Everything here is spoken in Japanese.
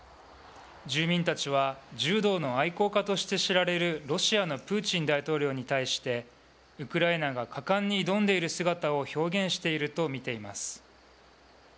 住民たちは柔道の愛好家として知られるロシアのプーチン大統領に対して、ウクライナが果敢に挑んでいる姿を表現していると見ています。